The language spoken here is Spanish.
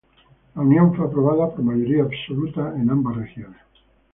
La unión fue aprobada por mayoría absoluta en ambas regiones.